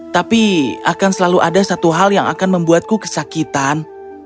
tapi akan selalu ada satu hal yang akan membuatku kesakitan